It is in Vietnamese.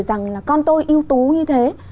rằng là con tôi yếu tố như thế